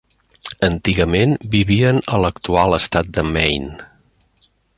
Antigament vivien a l'actual estat de Maine.